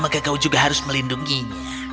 maka kau juga harus melindunginya